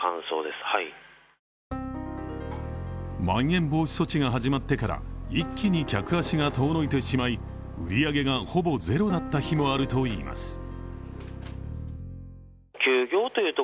まん延防止措置が始まってから一気に客足が遠のいてしまい、売り上げがほぼゼロだった日もあるといいます。